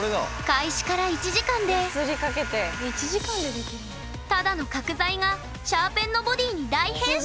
開始から１時間でただの角材がシャーペンのボディに大変身。